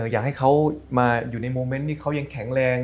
อยากให้เขามาอยู่ในโมเมนต์ที่เขายังแข็งแรง